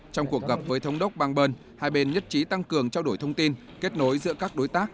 trong cuộc gặp với thống đốc bang bơn hai bên nhất trí tăng cường trao đổi thông tin kết nối giữa các đối tác